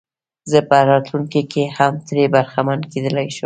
زه په راتلونکي کې هم ترې برخمن کېدلای شم.